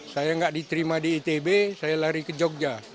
saya tidak diterima di itb saya lari ke jogja